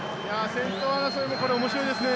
先頭争いも面白いですね。